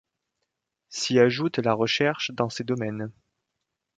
S'y ajoute la recherche dans ces domaines.